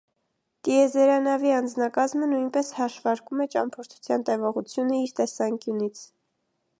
Տիեզերանավի անձնակազմը նույնպես հաշվարկում է ճամփորդության տևողությունը իր տեսանկյունից։